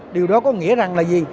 điều đó có nghĩa rằng là gì